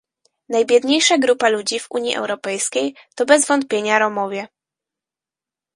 Najbiedniejsza grupa ludzi w Unii Europejskiej to bez wątpienia Romowie